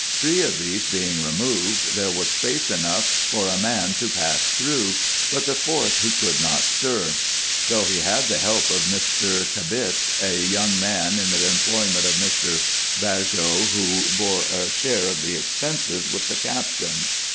Three of these being removed, there was space enough for a man to pass through ; but the fourth he could not stir, though he had the help of Mr. Kabitsch, a young man in the employment of ?\Ir. Baghos, who bore a share of the expense with the captain.